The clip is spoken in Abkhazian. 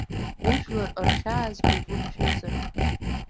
Ужәлар рхьааз угәы ԥжәозароуп.